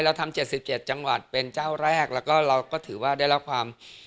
เราทำ๗๗จังหวัดเป็นเจ้าแรกแล้วก็เราก็ถือว่าได้รับความ